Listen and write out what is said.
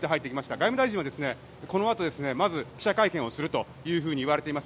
外務大臣はこのあと記者会見をするというふうにいわれています。